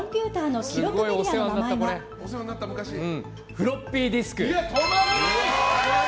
フロッピーディスク。